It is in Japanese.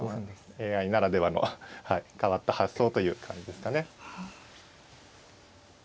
ＡＩならではの変わった発想という感じですかね。